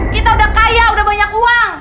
kita udah kaya udah banyak uang